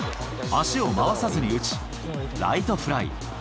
足を回さずに打ち、ライトフライ。